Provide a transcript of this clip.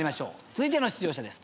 続いての出場者です。